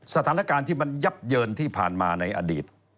สถานการณ์ที่มันยับเยินที่ผ่านมาในอดีต